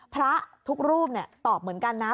พระทุกรูปตอบเหมือนกันนะ